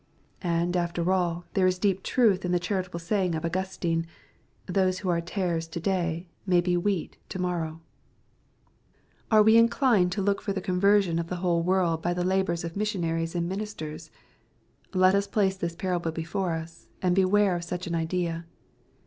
And after all there is deep truth in the charitable saying of Augustine, " Those who are tares io day, may be wheat to morrow." 14? KXPOSITOBY THOUGHTS. Are we inclined to look for the conversion of the whole world by the labors of missionaries and ministers ? Let us place this parable before us, and beware of such an idea.